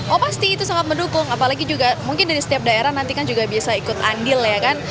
oh pasti itu sangat mendukung apalagi juga mungkin dari setiap daerah nanti kan juga bisa ikut andil ya kan